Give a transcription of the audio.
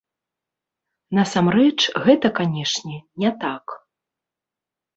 Насамрэч, гэта, канечне, не так.